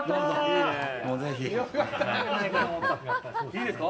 いいんですか？